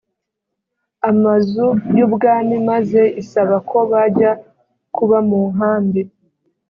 amazu y ubwami maze isaba ko bajya kuba mu nkambi